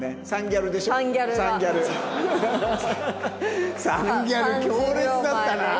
３ギャル強烈だったなあ。